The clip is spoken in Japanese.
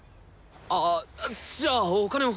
ああじゃあお金を。